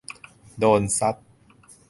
โดนซัด